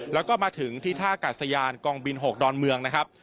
แล้วก็มาถึงที่ท่ากาศยานกองบิน๖ดอนเมืองนะครับ